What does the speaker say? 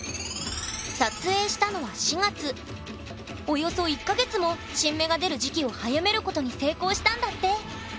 およそ１か月も新芽が出る時期を早めることに成功したんだって。